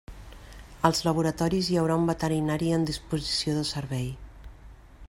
Als laboratoris hi haurà un veterinari en disposició de servei.